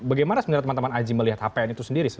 bagaimana sebenarnya teman teman aji melihat hpn itu sendiri